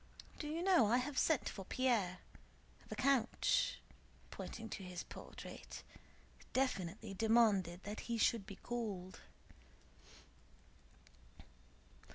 Do you know I have sent for Pierre? The count," pointing to his portrait, "definitely demanded that he should be called."